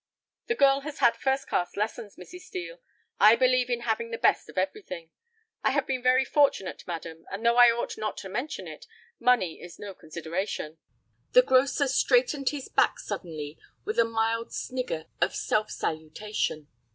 "The girl has had first class lessons, Mrs. Steel. I believe in having the best of everything. I have been very fortunate, madam, and though I ought not to mention it, money is no consideration." The grocer straightened his back suddenly, with a mild snigger of self salutation.